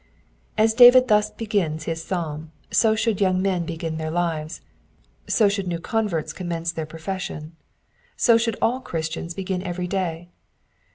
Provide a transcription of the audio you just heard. As David thus begins his psalm, so should young men begin their lives, so should new converts commence their profession, so should all Christians begin every day.